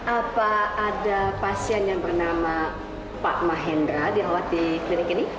apa ada pasien yang bernama pak mahendra dirawat di klinik ini